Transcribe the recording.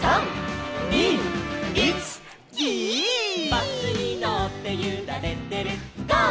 「バスにのってゆられてるゴー！